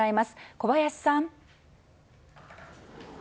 小林さん。